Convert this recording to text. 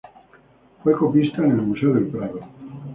Fue copista del Museo del Prado.